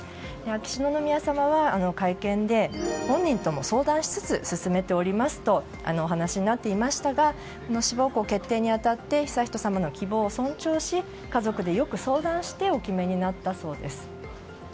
秋篠宮さまは会見で本人とも相談しつつ進めておりますとお話になっていましたが志望校決定に当たって悠仁さまの希望を尊重し家族で、よく相談してお決めになったそうです。